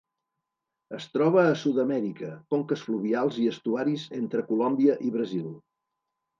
Es troba a Sud-amèrica: conques fluvials i estuaris entre Colòmbia i Brasil.